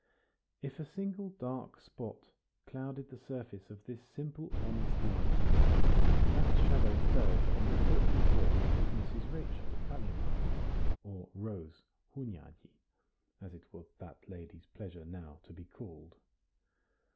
If a single dark spot clouded the surface of this simple honest life, that shadow fell from the portly form of Mrs. Rachel Kalimann, or Rose Hunyadi, as it was that lady's pleasure now to be called.